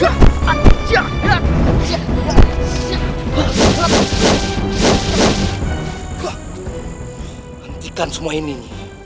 hentikan semua ini nyi